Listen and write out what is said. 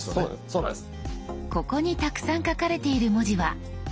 そうなんです。